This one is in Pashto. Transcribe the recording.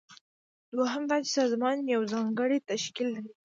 دوهم دا چې سازمان یو ځانګړی تشکیل لري.